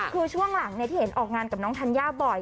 คือช่วงหลังที่เห็นออกงานกับน้องธัญญาบ่อย